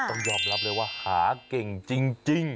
ต้องยอมรับเลยว่าหาเก่งจริง